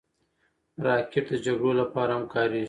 راکټ د جګړو لپاره هم کارېږي